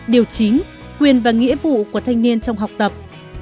điều chính quyền và nghĩa vụ của thanh niên trong học tập